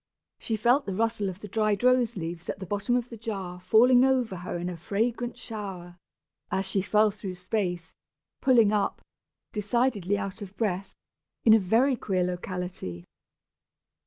She felt the rustle of the dried rose leaves at the bottom of the jar falling over her in a fragrant shower, as she fell through space, pulling up, decidedly out of breath, in a very queer locality.